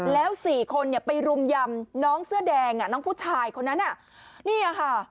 แล้วสี่คนเนี่ยไปรุมยำน้องเสื้อแดงอ่ะน้องผู้ชายคนนั้นอ่ะเนี่ยค่ะ